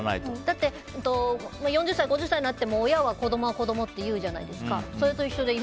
だって４０歳、５０歳になっても親は、子供は子供っていうじゃないですか。